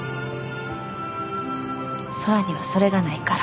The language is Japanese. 空にはそれがないから